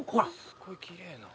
すごいきれいな。